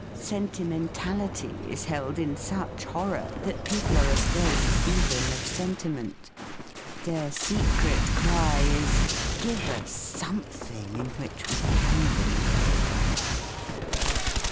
Sentimentality is held in such horror that people are afraid even of sentiment. Their secret cry is: "Give us something in which we can believe."